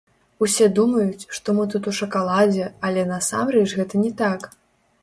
Усе думаюць, што мы тут у шакаладзе, але насамрэч гэта не так.